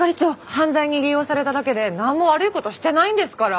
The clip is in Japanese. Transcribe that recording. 犯罪に利用されただけでなんも悪い事してないんですから。